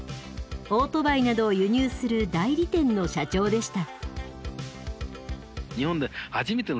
オートバイなどを輸入する代理店の社長でした。